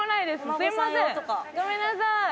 ごめんなさい。